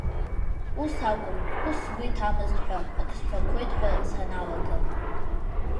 Ус акәым, ус сгәы иҭамызт, ҳәа ак сҳәақәоит ҳәа саналага…